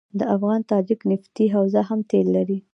د افغان تاجک نفتي حوزه هم تیل لري.